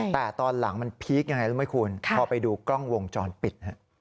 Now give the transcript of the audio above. แต่ตอนหลังมันพีคอย่างไรหรือไม่คุณเข้าไปดูกล้องวงจรปิด